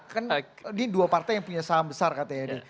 kan ini dua partai yang punya saham besar katanya deh